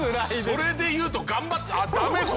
それで言うと頑張った。